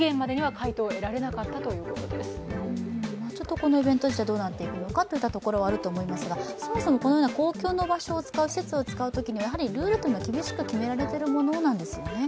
このイベント自体、どうなっているのかというところはあるかと思いますが、そもそもこのような公共の施設を使うときにはやはりルールというのは厳しく決められているものなんですよね。